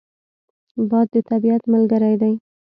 باد د طبیعت ملګری دی